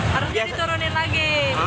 harus diturunin lagi